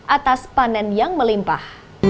atas panen yang melimpah